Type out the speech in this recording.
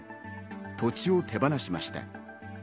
土地を手放しました。